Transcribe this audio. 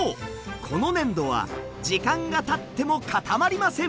この粘土は時間がたっても固まりません。